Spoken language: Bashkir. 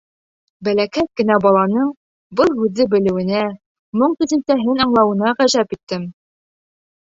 Бәләкәс кенә баланың был һүҙҙе белеүенә, моң төшөнсәһен аңлауына ғәжәп иттем.